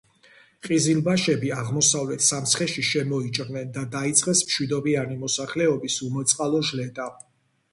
ყიზილბაშები აღმოსავლეთ სამცხეში შემოიჭრნენ და დაიწყეს მშვიდობიანი მოსახლეობის უმოწყალო ჟლეტა.